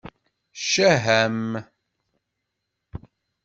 Ccah-am!